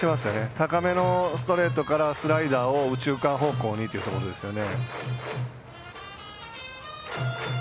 高めのストレートからスライダーを右中間方向にというところですね。